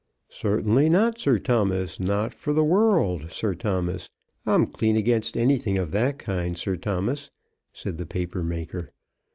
"Certainly not, Sir Thomas; not for the world, Sir Thomas. I'm clean against anything of that kind, Sir Thomas," said the paper maker.